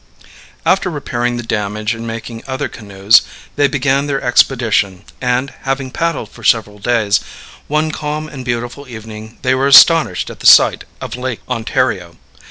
After repairing the damage and making other canoes, they began their expedition; and, having paddled for several days, one calm and beautiful evening they were astonished at the sight of Lake Ontario.